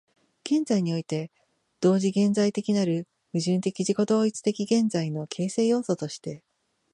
現在において同時存在的なる矛盾的自己同一的現在の形成要素として、